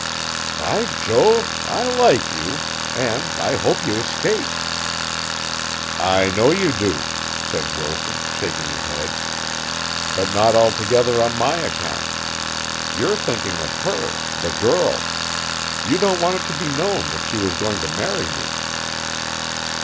"By Jove! I like you and I hope you escape!" "I know you do," said Wilson, shaking his head, "but not altogether on my account. You're thinking of her the girl. You don't want it to be known that she was going to marry me."